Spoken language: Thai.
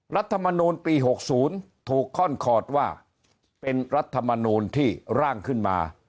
รัฐธรรมนูญปีหกศูนย์ถูกค่อนคอร์ดว่าเป็นรัฐธรรมนูญที่ร่างขึ้นมา